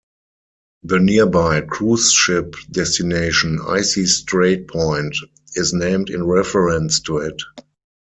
The nearby cruise ship destination Icy Strait Point is named in reference to it.